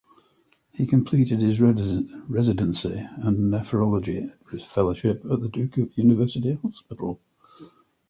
He completed his residency and nephrology fellowship at the Duke University Hospital.